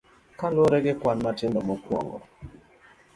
Kaluwore gi kwan matindo mokwongo.